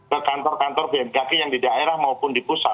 ke kantor kantor bmkg yang di daerah maupun di pusat